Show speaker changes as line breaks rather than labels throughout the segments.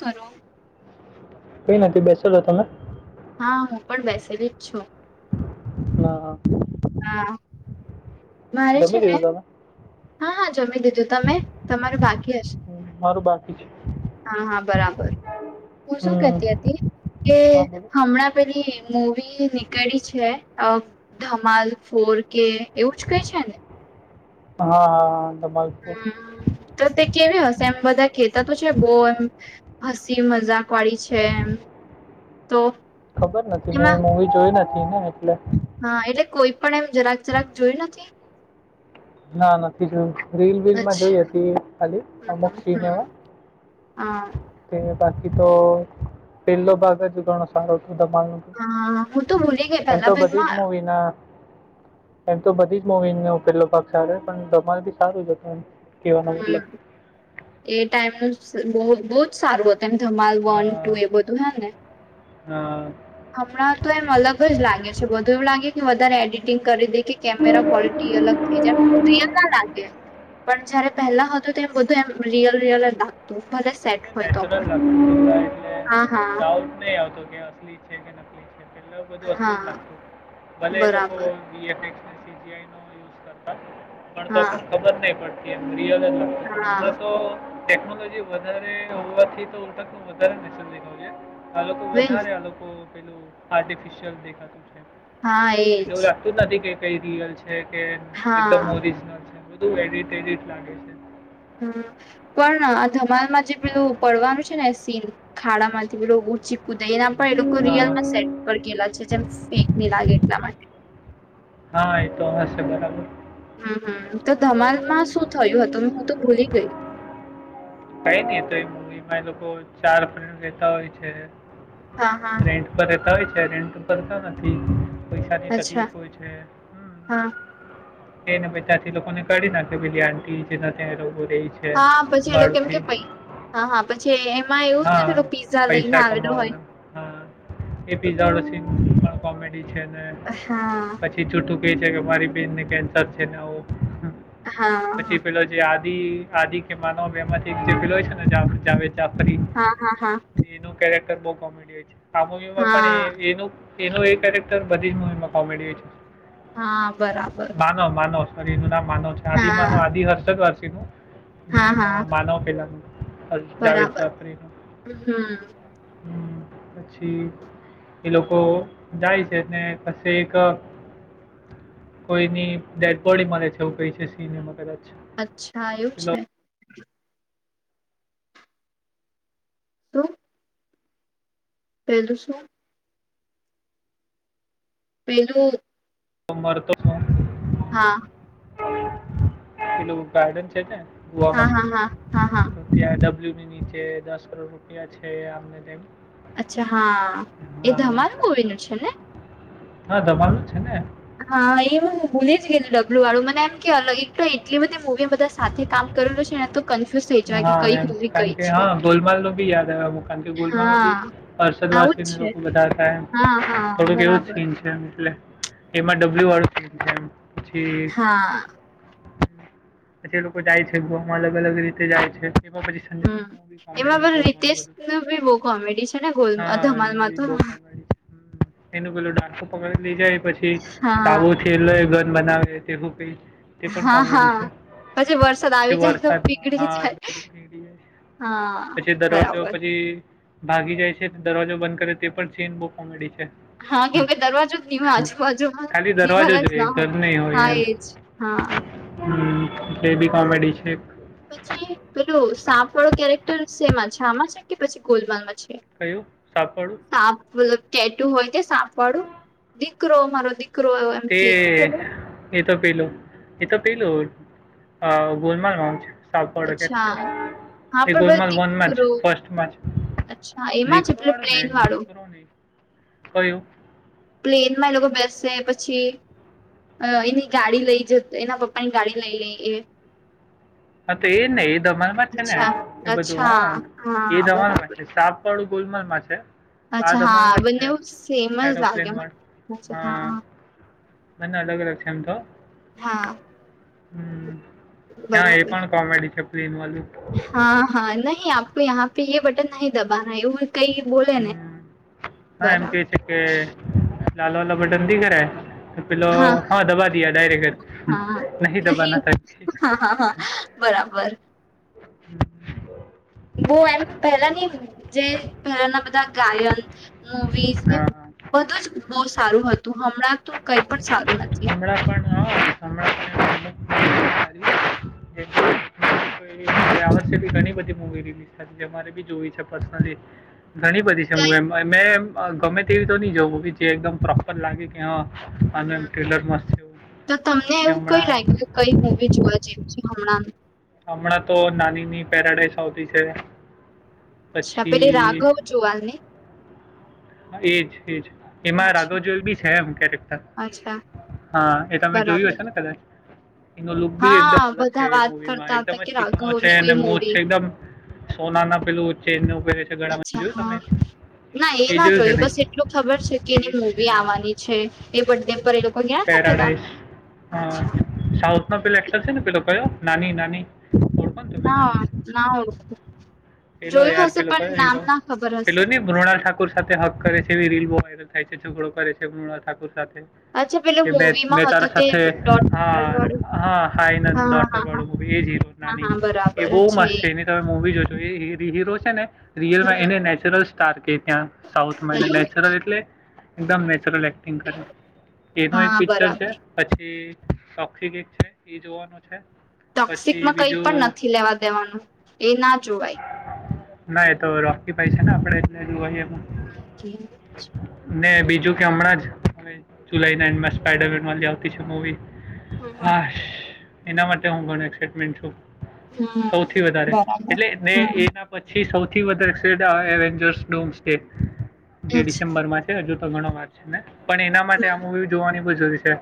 કરો.
કઈ નથી બેસેલો તમે?
હા હું પણ બેસેલી જ છું.
હા, હા.
હા. મારે છે
જમી
ને
લીધું તમે
હા હા જમી દીધું તમે તમારું બાકી હશે.
મારું બાકી છે.
હા હા બરાબર હું શું
હમ,
કેતી હતી કે
હા બોલો
હમણાં પેલી મૂવી નીકળી છે ધમાલ ફોર કે એવું જ કઈ છે ને?
હા, હા.
હમ તો તે કેવી હશે એમ બધા ખેતા તો છે બોવ એમ હસી મજાક વાળી છે એમ તો
ખબર નથી
એમાં
મેં મુવી જોઈ નથી ને એટલે.
હા એટલે કોઈ પણ એમ જરાક જરાક જોઈ નથી?
ના નથી જોયું રીલ બલ માં જોઈ
અચ્છા
હતી ખાલી અમુક
હમ્મ
સિને
હમ્મ.
એવા.
હા.
તે બાકી તો પેલો ભાગ જ ઘણો સારો હતો ધમાલનો. તો.
હા હું તો ભૂલી ગઈ પેલા બેનમાં
બના. [unintelligible] એમ તો બધી જ મુવીનો કેટલો ભાગ સાર પણ ધમાલ બી સારું જતું એમ. કહેવાનો મતલબ
હમ્મ એ ટાઈમ બ બહુ જ સારું હતું. તેમ ધમાલ
અ,
વન ટુ એ બધું હે ને.
અ,
હમણાં તો એમ અલગ જ લાગે છે બધું એવું લાગે કે વધારે એડિટિંગ કરી દે કે કેમેરા ક્વોલિટી અલગ થઈ જાય ના લાગે પણ જયારે પહેલા હતું તો એમ બધું એમ રિયલ રિયલ લાગતું ભલે સેટ. હોય તો પણ
નેચરલખ એટલે
હા હા
ડાઉટ નહી આવતો કે અસલી છે કે નકલી છે. એટલા બધું અસલી જ
હા
લાગતું ભલે લોકો
બરાબર
ખબર નહી પડતી એમ
હા
રલ પણ
હા
હમણાં તો ટેકનોલોજી વધારે હોવાથી તો હ તક હ વધારે નિસાન દેખું છે આ લોકો
વેજ
વધારે આ લોકો. પેલું આર્ટિફિશિયલ દેખાતું છે.
હા
એટલે
એજ.
એવું લાગતું નથી કે કઈ રિયલ છે કે એકમ
હા
ઓરિજનલ છે બધું એડિટ એડિટ લાગે છે.
હા. પણ આ ધમાલમાં જે પેલું પડવાનું છે ને સીન ખાડા માંથી પેલું ઊંચી કુદ ના પણ એ લોકો રિયલ
હા
સેટ પર ગેલા છે જેમ ફેક નની લાગે એટલા માટે.
હા એ તો આવ છે બરાબર.
હમ્મ હમ્મ તો ધમાલમાં શું થયું હતું મે હું તો ભૂલી ગઈ.
કઈ નહ તો એ મુવી માં એ લોકો ચાર ફ્રેન્ડ રેતા હોય છે.
હા.
રેન્ટ રહેતા હોય છે રેન્ટ કરરતા નથી પૈસાની
અચ્છા
તકલીફ હોય છે.
હા
હમ્મ. એને પ ત્યાંથી લોકોને કાઢ નાખે પે આંટી જેના ત્યાં એલોકો રેય છે.
હા પછી એ લોકો કેમ કે
ભાડુંથી
પ હા હા પછી એમાં એવું ને
હા
પેલો પીઝા લઈને આવેલો હોય.
એડ પણ કોમેડી છે ને.
હા.
પછી છૂઠું કે છે કે મારી બેનને કેન્સર છે ને આવું
હા
પછી પેલા જે આદિ આદિ કે માનવ એમાંથી એકલો છે ને ફરી
હા હા હા.
એનું કેરેક્ટર બહ કોમેડી હોય છે આ મુવીમાં
હા
પણ એનું એનો એ કેરેક્ટર બધી જ મુવીમાં કોમેડી છે.
હા બરાબર.
મા માનવરી નું નામ માનવ છે આદિ
હા
માનવ આદિ હર્ષક હર્ષિ નું
હા હા
માનવ પેલા જાવદ
બરાબર
જાફરી નુ.
હમ
હમ્મ પછી એ લોકો જાય છે કસે એક કોઈની ડેડ બોડી મારે છે એવું કઈ છે સિનમાં કદાચ.
અચ્છા એવું
પેલો
છે. શું? કેવ છો. પેલું
તો મરતો હ.
હા.
પેલું ગાર્ડન છે
હા
ગોવામાં
હા હા હા હા
ત્યાં ડબ્લ્યૂ ને નીચે દસ કરોડ રૂપિયા છે આમને તેમ
અચ્છા હા એ
હા
ધમાલ મુવી નું છે ને.
હા ધમાલ નુ છે ને.
હા એ હ ભૂલી જ ગય ડબલુ વાળું મને એમ કે એક એટલી બધી મૂવી બધા સાથે કામ કરેલું છે ને તો. કન્ફ્યુઝ થઈ જવાય કે
હા
કઈ
એમ
મૂવી
કારણ
કઈ
કે
છે
હા ગોલમાલ નું બી યાદ આવું કારણ કે ગોલમાલમાં
હા
બી હર્ષદ
આવું જ
વારસી
છે
લોકો બા થાય એમ
હા હા
થોડુંક એવું જ
બરાબર
સીન છે એમ એટલે. એમાં ડબલ્યુ વાળું બી છે. પછી
હા
પછી એ લોકો જાય છે ગમાં અલગ અલગ રીતે જાય છે એમાં પછી. સંજય
હું
દત્તનું બી
એમાં
કોમેડી
પણ
બહુ ઘણું
રિતેશ
બધું છે.
ના બી બહું કોમેડી છે ને ગોલ
હા એનું
ધમાલમાં
બી
તો
બહુ કોમેડી છે એનું પેલું ડાકુ પકડી લઇ જાય પછી
હા
સાબુ કેલો એ ગન બનાવે તે હું કઈ. તે પણ
હા
કોમેડી
હા
છે
પછી વર્ષ સદ
પછી
આવી જાય તો
વરસાદમાં
પીગળી
હા એ
જાય
બધું પીડી
હા બરાબર.
તે ભાગી જાય છે દરવાજો બંધ કરે તે પણ સીન બુ કોમેડી છે.
હા
હમ
કેમકે દરવાજો ની હોય
ખાલી
આજુબાજુમાં
દરવાજો
દીવાલજ
જોઈએ
ના
ઘર
હોય. હા એજ હા
બે બી કોમેડી છે.
પછી પેલું સાપ વાળો કેરેક્ટર સેમમાં છે આમાં છે કે પછી ગોલમાલમાં છે.
કયું સાપ વાળું.
સાપ મતલબ ટેટું હોય કે સાપ વાળું દીકરો મારો દીકરો એવું એમ
તે
કે પેલું
એ તો પેલું એ તો પેલું અ ગોલમાલમાં છે. સાપડ કેટ
અચ્છા હા
એ
પણ પેલો
ગોલમાલ વનમાં છે
દીકરો
ફર્સ્ટમાં જ
અચ્છા એમાં છે
દીકરો
પેલું
વાળો ને
પ્લેન વાળું
દીકરો કયું
પ્લેન માં એ લોકો બેસે પછી. અ એની ગાડી લઈ જતો એના પપ્પાની ગાડી લઈ લઈ એ.
હા તો એજ ને એ ધમલ માં છે ને
અચ્છા
એ બધું
અચ્છા
હા એ
હા બરાબર
ધમાલમાં છે સાપ સાપ વાળું ગોલમલ માં છે. આ
અચ્છા હા
ધમાલમાં છે
બંનેવ સેમ જ લાગે
એરોપ્લેન
મને
વાળું હા ના ના અલગ અલગ છેમ તો
હા
હ
બરાબર
કોમેડી છે પ્લેન વાલુ.
હા હા નહીં આપકો યહાં પે એ બટન નહી દબાના. કઈ બોલેને
હમ. હા એમ
બરાબર
કહે છે કે લાલ વાલા બટનથી કરે પેલો હા દબા દીયા ડાયરેક્ટ જ
હા
નહી દબાના
નહીં
તા.
હા હા હા બરાબર બહુ એમ પહેલાની જે પહેલાના બધા ગાયન મુવીઝ એમ
હા
બધું જ બહુ સારું હતું હમણાં તો કઈ પણ સારું નથી.
શમળ પણડ હ સંળપ કરી [inaudible] આ વર્ષે બી ઘણી બધી મુવી રિલીઝ થરે બી જોવી છે પર્સનલી ઘણી બધી છે
કઈ
હું એમ ગમે તે એવી તો નહી જું જે એકદમ પર લાગે કે હા
હમ
ટ્રેલર મસ્ત છે એવું
તો તમને
પછી
એવું કઈ
હમણાં
લાગ્યું કે કઈ મુવી જોવા જ છે હમણાં
હમણાં તો નાની ની પેરાડાઈસ આવતી છે.
અચ્છા પેલે
પછી
રાઘવ જોવાલ ને
એજ એજ એમાં
અચ્છા
રાઘોજલ બી છે એમ ક્યારેક
અચ્છા
હા એ તમે જોયું
બરાબર
હશે ને કદાચ એનો લુક ભી
હા
એકદમ અલગ છે
બધા
એ
વાત
મુવી માં
કરતા
એકદમ
હતા
જ
કે
ચીકનો છે
રાઘવની
અને
કોઈ
મોજ છે
મૂવી
એકદમ સોના ના પેલું ચેન ને એવું પેરે છે ગળામાં
અચ્છા
જોયું તમે
હા ના એ ના જોયું બસ એટલું ખબર છે કે
એ
એની
જ છે
મૂવી
હા
આવવાની છે. એ બડે પર એ લોકો કેયાના ત પેલા.
પેરાડાઈસ હા
અચ્છા
સાઉથ ન પે એક્ટર છે ને પેલો કયો નાની નાની કો પ
ના
નાની
ના ઓળખું
પેલો
જોયું
યાર
હશે
પેલો કયો
પણ નામ
હીરો
ના ખબર
પેલો
હશે
ને મૃણાલ ઠાકર સાથે હક કરે છે એવી રીલ બહુ વાયરલ થાય છે છોકડો કરે છે મૃણાલ ઠાકર સાથે
અચ્છા પેલો
કે
મૂવીમાં
મેં
હતો
તારા
તે
સાથે
ડોટર વાળું
હા હા હાઈ
હા
ડોટર
હા હા હા
વાળું એ જ હીરો
હા
નાની
હા બરાબર
એ બહુ
અચ્છા
મસ્ત
એ
છે એની તમે મવી જોશો એ હીરો છે ને
હમ,
રિયલમાં એને નેચરલ તાર કે ત્યાં સાઉથ તમા એને
હમ.
નેચરલ એટલે એકદમ નેચરલ એક્ટિંગ કરે એનો એક
હા
પિક્ચર છે
બરાબર
પછી ચક્ષી છે એ જોવાનું છે
ટોક્સિક
પછી
માં કઈ
બીજું
પણ નથી લેવા દેવાનું એ ના જોવાય
ના એ તો રોકીકી ભાઈ છે ને આપડે એટ જો હો
હ
ને બીજું કે હમણાં જ જુલાઈ ના એન્ડમાં સ્પાઈડરન આવતી છે મવી
હમ
હા એના માટે હું ઘણ એક્સાટમેન્ટ છું
હમ
સૌથી વધારે
બરાબર
એટલે ને
હમ
એના પછી સૌથી વધારે શેડ એવેન્જર્સ ડોમ સ્ટે જે
અચ્છા
ડિસેમ્બર માં છે હજુ તો ઘણો વાત છે ને પણ એના માટે આ
હા
મુવી જોવાની બહુ જરૂરી છે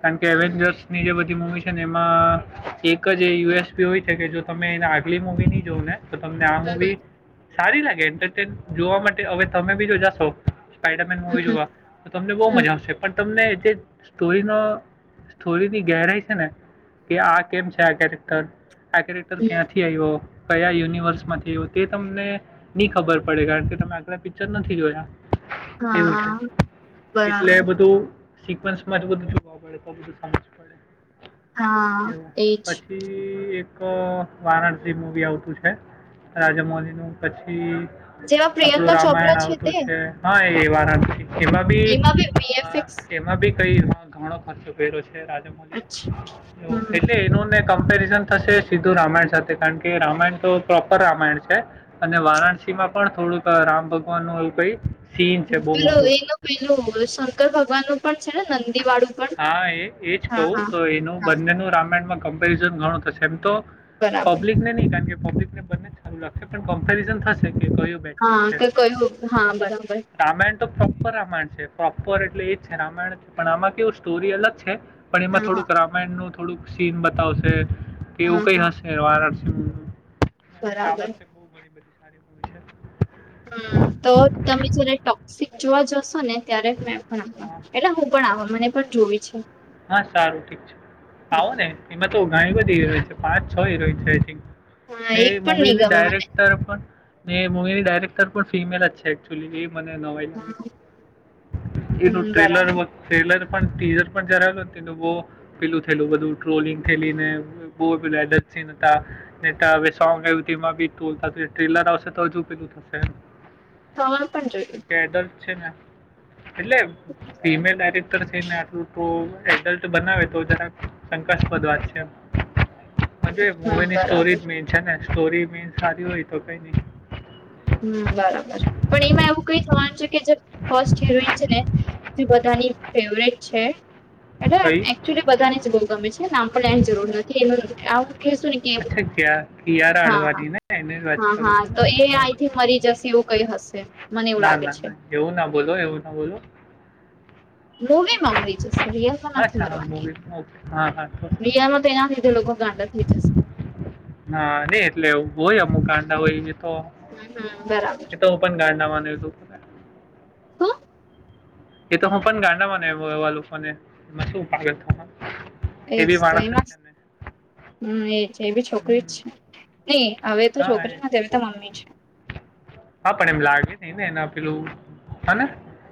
કારણ કે એવે
હમ
જો ની જે બધી મૂવી છે ને એમાં એક જ એ યુએસપી હોય છે કે જો તમે એના આગલી મૂવી ની જોઓ ને તો તમને આ મુવી સારી લાગે એન્ટરટેન જોવા માટે હવે તમે બીજો જાશો. સ્પાઈડરમેન
હમ
મુવી
હમ,
જોવા તો તમને બહુ
હમ,
મજા આવશે પણ તમને જે સ્ટોરીનો. સ્ટોરી ની ગેરાઈ છે ને કે આ કેમ છે આ કેરેક્ટર આ કેરેક્ટર
હમ.
ક્યાં. કયા યુનિવર્સ માંથી આવ્યો તે તમને નહી ખબર પડે કારણકે તમે. આપ પિક્ચર નથી જોયા એવું છે
હા
એટલે
બરાબર
બધું. સિકવન્સમાંજું બધું જોવા પડે તો બધું સમજ
હા
પડે એવું
એજ
પછી. એક વારાણસી મવી આવતું છે. રાજામલીનું પછી.
જેમાં
આપણું
પ્રિયંકા ચોપરા
રામાયણ
તે
આવતું છે હા એવાના એમાં બી. એમાં ભી કઈ ઘણો ખર્ચો કર્યો છે રાજામલી
અચ્છા હમ
એટલે એનોને. કમ્પેરિઝન થશે સીધું રામાયણ સાથે કારણ કે રામાયણ તો પ્રોપર રામાયણ છે. અને વારાણસી માં પણ થોડુંક રામ ભગવાન નું એવું કઈ.
પેલો એનું પેલું શંકર ભગવાન નું પણ છે ને નંદીવાળું.
હા એ એજ કહું તો એનું
હા
બંનેનું રામાયણમાં કમ્પેરિઝન ઘણું થશે એમ તો.
બરાબર
પબ્લિક ને નહી કારણ કે પબ્લિકને બને ચાલુ રાખશે પણ કમ્પેરિઝન થશે કે ક.
હા કે કયું હા બરાબર.
રામાયણ તો પ્રોપર રામાયણ છે પ્રોપર એટલે એ જ છે રામાયણ પણ આમાં કેવું સ્ટોરી અલગ છે. પણ એમાં
હા હા
થોડુંક રામાયણ નું થોડુંક સીન બતાવશે કે
હા
એવું કઈ
હા
હશે. વારાણસી છે.
બરાબર હમ તો તમે જારે ટોક્સિક જોવા જશો ને. ત્યારે મેં પણ આપ
હા
એટલે હું પણ આવ મને પણ જોઈવી છે.
હા સારું ઠીક છે
હમ.
આવો ને એમાં તો ઘણી બધીરોય છે પાંચ છ હરોય છે.
હા
ને
એક પણ નહી
મવીની
ગમે મને
ડાયરેક્ટર પણ ને મવીની ડાયરેક્ટર પણ ફિમેલ જ છે એકચુલી. મને નવાઈ લાગે, એનું
હમ બરાબર
ટ્રેલરમાં ટ્રેલર પણ ટી. પણ જરા બો પેલું થયેલું, બધું ટ્રોલિંગ થેલી ને બહુ અડેપ સીન હતા. હવે સોંગ આવમાં બી ટ્રોલ થાસે. ટ્રેલર આવશે તો હજુ પેલું થશે.
ખાવાનું પણ જોઈએ.
ડ્ટ છેને એટલે ફિમેલ ડાયરેક્ટર છે ને આટલું. તો એડલ્ટ બનાવે તો જરા શંકાસ્પદ વાત છે. હજ મવી
હમ
ની
બરાબર
સ્ટોરી જ મેીન છે ને સ્ટોરી મેીન સારી હોય તો કઈ નહી.
હમ બરાબર પણ એમાં એવું કઈ થવાનું છે કે જે ફસ્ટ હિરોઈન છે ને. બધાની ફેવરેટ છે
કઈ
બ. બધાને જ બહુ ગમે છેને આમ પણ એની જરૂર નથી એનું આવુંું.
અચ્છા ક કયાર હડવાની ને એની વાત
હા
કરું
હા
છો
તો એ
ને.
આઈ મરી જશે એવું કઈ હશે. મને એવું
ના
લાગે
ના
છે
ના. એવું ના બોલો. એવું ના બોલો.
મૂવીમાં હોય છે સરિયલમાં નથી મારો
મૂવીમાં હા હા હા. સારું.
રિયલમાં તો એના લીધે લોકો ગાડા થઈ જશે.
હા નઈ એટલે હોય એવું અમુક ગાંડા હોય એ તો
હમ હમ બરાબર.
એ તો પણ ગાંડા માન્યું હતું. [inaudible]
શું
એ તો હું પણ ગાંડા માંનું એવા લોકોને એમાં શુ પાગલખાના.
એ જ તો એમ જ. હમ એજ. એ બી છોકરી
હમ
જ છે. નહી હવે તો
હા
છોકરી
એ
નથી હવે તો મમ્મી છે.
હા પણ એમ લાગે નઈ ને એને પેલું હાને?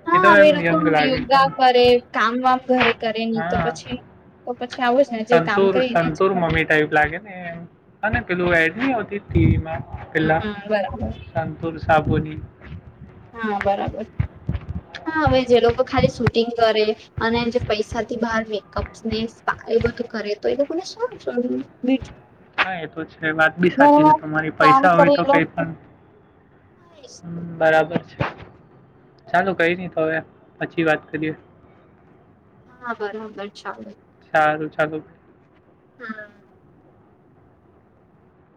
હા! હવે લોકો યોગા કરે, કામ વામ ઘરે કરે ની તો
હા
પછી તો પછી આવું જ ને જે કામ કરી એને ખબર.
[unintelligible] લાગેને પેલું એડ ન આવતી ટીવીમાં
હમ
પેહલા
હમ બરાબર
સંતુર સાબુની.
હા બરાબર. હા! હવે જે લોકો ખાલી શૂટિંગ કરે અને જે પૈસાથી બહાર મેકઅપ્ ને સ્પા બધું કરે તો એ લોકોને શું [unintelligible]
હા એ તો છે વાત બી સાચી છે તમારી.
કામ
પૈસા
કરે
હોય તો
એ
કઈ
લોકો
પણ હમ બરાબર છે. ચાલો કઈ નહી તો હવે, પછી વાત કરીએ.
હા બરાબર ચાલો.
સારું ચાલો.
હમ.